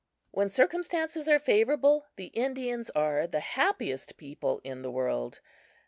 When circumstances are favorable, the Indians are the happiest people in the world.